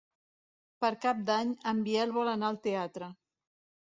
Per Cap d'Any en Biel vol anar al teatre.